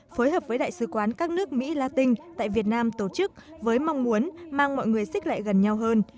phối hợp với đại sứ quán các nước mỹ la tinh tại việt nam tổ chức với mong muốn mang mọi người xích lại gần nhau hơn